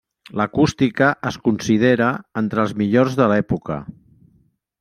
L'acústica es considera entre els millors de l'època.